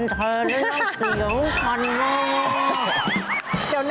ชิคกี้พาย